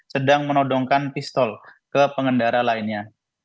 sedang menodongkan pistol ke pengendara lainnya